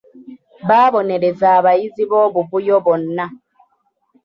Baabonerezza abayizi b'obuvuyo bonna.